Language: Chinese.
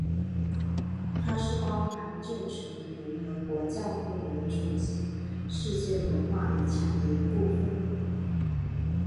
它是包含旧城的联合国教科文组织世界文化遗产的一部分。